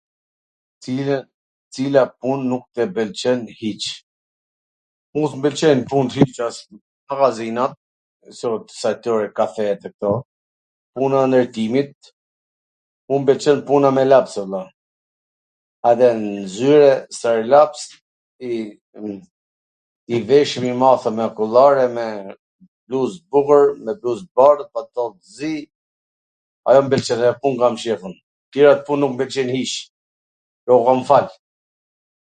Cila pun nuk tw pwlqen hiC? Mu s mw pwlqejn punt hiC as magazina, estiatoriot kafet e kto, puna e ndwrtimit, mu m pwlqen puna me laps, o vlla, ater ngjyre, stilolaps, i veshun i mathun me akullore me bluz t bukur, me bluz t bardh .. flok t zi, ajo m pwlqen, atw pun kam qef un... tjerat pun nuk mw pwlqejn hiC... jua kom fal...